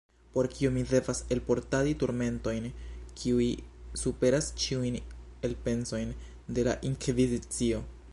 Por kio mi devas elportadi turmentojn, kiuj superas ĉiujn elpensojn de la inkvizicio?